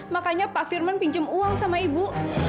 makanya pak firman pinjam uang sama ibu